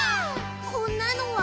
「こんなのは？」